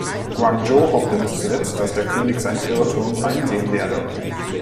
Gwang-jo hoffte bis zuletzt, dass der König seinen Irrtum einsehen werde.